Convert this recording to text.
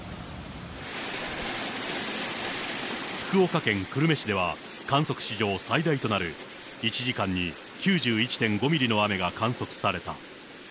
福岡県久留米市では、観測史上最大となる、１時間に９１．５ミリの雨が観測された。